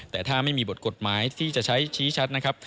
แต่ถ้าไม่มีบทกฎหมายที่จะใช้ชี้ชัดนะครับ